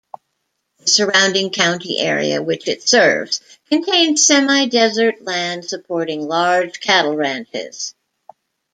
The surrounding county area which it serves contains semi-desert land supporting large cattle ranches.